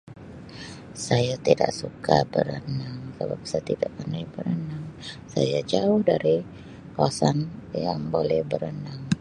Saya tidak suka berenang sebab saya tidak pandai berenang, saya jauh dari kawasan yang boleh berenang.